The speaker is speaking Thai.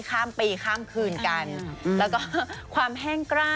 ข้ามปีข้ามคืนกันแล้วก็ความแห้งกล้า